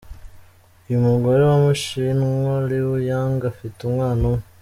Uyu mugore w’umushinwa Liu Yang afite umwana umwe.